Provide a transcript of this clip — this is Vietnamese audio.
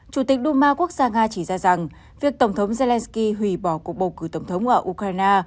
chủ tịch duma quốc gia nga chỉ ra rằng việc tổng thống zelensky hủy bỏ cuộc bầu cử tổng thống ở ukraine